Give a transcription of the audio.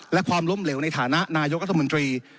และความล้มเหลวในฐานะนายกรัฐมนตรี